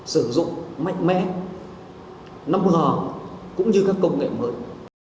sử dụng mạnh mẽ năm g cũng như các công nghệ mới